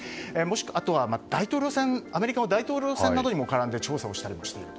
あとはアメリカの大統領選などにも絡んで調査をしたりしている。